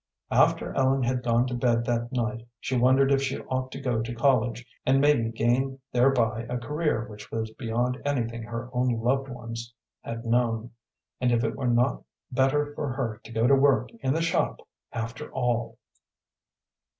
After Ellen had gone to bed that night she wondered if she ought to go to college, and maybe gain thereby a career which was beyond anything her own loved ones had known, and if it were not better for her to go to work in the shop after all.